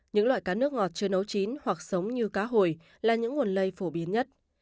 những loại cá nước ngọt chưa nấu chín hoặc sống như cá hồi là những nguồn lây phổ biến nhất